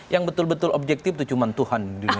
yang betul betul objektif itu cuma tuhan